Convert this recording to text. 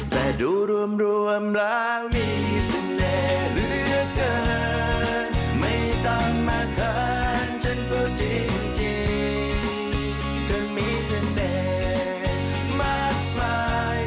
แต่ดูรวมแล้วมีเสน่ห์เหลือเกินไม่ต้องมาเขินฉันพูดจริง